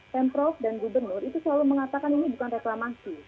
pemprov dan gubernur itu selalu mengatakan ini bukan reklamasi